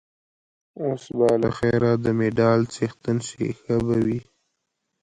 اوس به له خیره د مډال څښتن شې، ښه به وي.